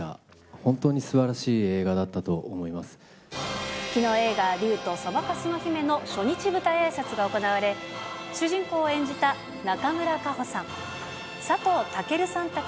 本当にすばらしい映画だったと思きのう、映画、竜とそばかすの姫の初日舞台あいさつが行われ、主人公を演じた中村佳穂さん、佐藤健さんたち